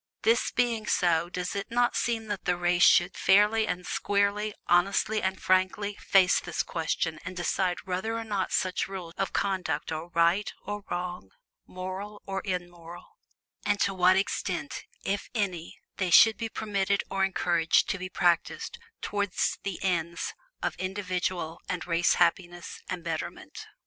This being so, does it not seem that the race should fairly and squarely, honestly and frankly, face this question and decide whether or not such rules of conduct are "right" or "wrong" "moral" or "immoral" and to what extent, if any, they should be permitted or encouraged to be practiced toward the ends of individual and race happiness and betterment.